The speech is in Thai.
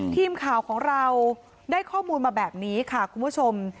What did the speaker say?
ทีมข่าวของเราได้ข้อมูลมาแบบนี้ค่ะคุณผู้ชม